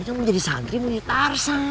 kenapa jadi santri mulut arsan